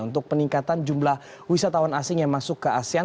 untuk peningkatan jumlah wisatawan asing yang masuk ke asean